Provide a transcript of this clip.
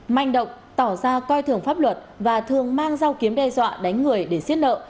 manh động tỏ ra coi thường pháp luật và thường mang dao kiếm đe dọa đánh người để xiết nợ